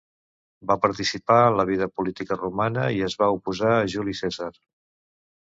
Va participar en la vida política romana i es va oposar a Juli Cèsar.